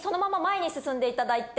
進んでいただいて。